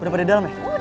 udah pada di dalam ya